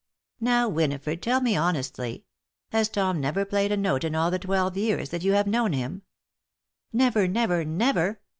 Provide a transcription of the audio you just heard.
"Now, Winifred, tell me honestly: Has Tom never played a note in all the twelve years that you have known him?" "Never! never! never!"